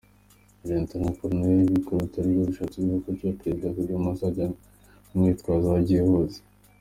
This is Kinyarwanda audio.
Uyu Lt Col Karuretwa bishatse kuvuga ko Perezida Kagame azajya amwitwaza aho agiye hose.